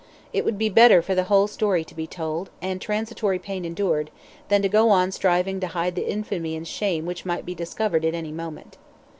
It would be better for the whole story to be told, and transitory pain endured, than to go on striving to hide the infamy and shame which might be discovered at any moment.